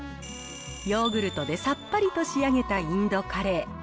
ヨーグルトでさっぱりと仕上げたインドカレー。